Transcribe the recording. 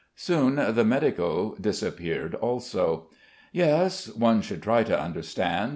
Soon the medico disappeared also. "Yes, one should try to understand.